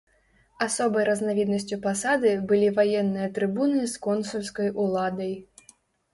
Асобай разнавіднасцю пасады былі ваенныя трыбуны з консульскай уладай.